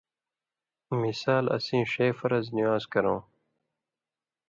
مِثال اسیں ݜے فَرض نِوان٘ز کرؤں،